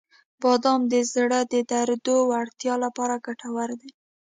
• بادام د زړه د دردو وړتیا لپاره ګټور دي.